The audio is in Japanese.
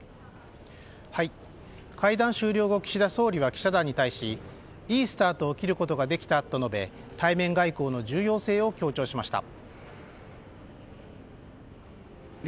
会談終了後、岸田総理は記者団に対しいいスタートを切ることができたと述べ対面外交の重要性を強調しました。